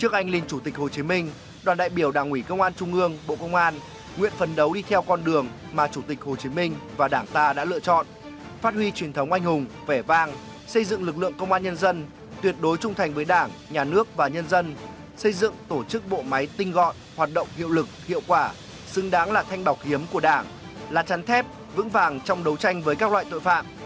trước anh linh chủ tịch hồ chí minh đoàn đại biểu đảng ủy công an trung ương bộ công an nguyện phấn đấu đi theo con đường mà chủ tịch hồ chí minh và đảng ta đã lựa chọn phát huy truyền thống anh hùng vẻ vàng xây dựng lực lượng công an nhân dân tuyệt đối trung thành với đảng nhà nước và nhân dân xây dựng tổ chức bộ máy tinh gọn hoạt động hiệu lực hiệu quả xứng đáng là thanh đọc hiếm của đảng là chắn thép vững vàng trong đấu tranh với các loại tội phạm